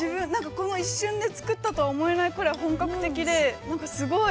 ◆一瞬で作ったとは思えない、本格的で、すごい。